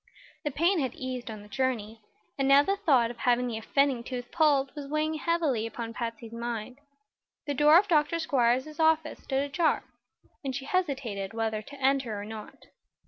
The pain had eased on the journey, and now the thought of having the offending tooth pulled was weighing heavily upon Patsy's mind. The door of Dr. Squiers's office stood ajar, and she hesitated whether to enter or not.